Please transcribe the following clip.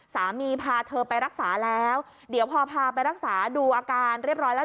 พาเธอไปรักษาแล้วเดี๋ยวพอพาไปรักษาดูอาการเรียบร้อยแล้ว